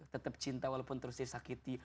tetap cinta walaupun terus disakiti